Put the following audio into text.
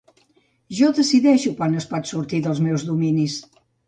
Jo decideixo quan es pot sortir dels meus dominis.